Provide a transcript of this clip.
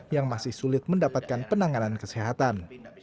yang masih sulit mendapatkan penanganan kesehatan